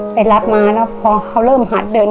ไปรับมาแล้วพอเขาเริ่มหัดเดิน